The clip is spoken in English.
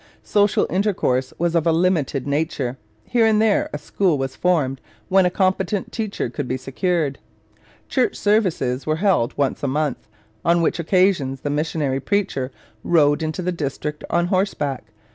Social intercourse was of a limited nature. Here and there a school was formed when a competent teacher could be secured. Church services were held once a month, on which occasions the missionary preacher rode into the district on horseback.